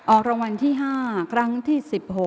ออกระวันที่๕ครั้งที่๑๔